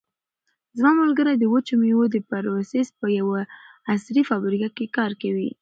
زما ملګری د وچو مېوو د پروسس په یوه عصري فابریکه کې کار کوي.